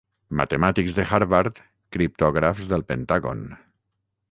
Matemàtics de Harvard, criptògrafs del Pentàgon...